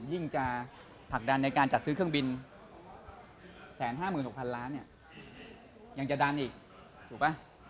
ยิ่งจะผลักดันในการจัดซื้อเครื่องบิน๑๕๖๐๐ล้านเนี่ยยังจะดันอีกถูกป่ะ